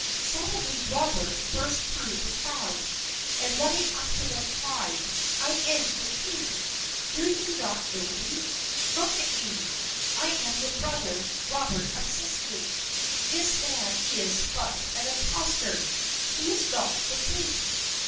Suddenly Robert burst through the crowd, and running up to them cried, "I am the king! Do you not know me? Look at me. I am your brother, Robert of Sicily. This man is but an imposter! He is not the king!"